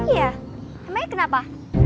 iya emangnya kenapa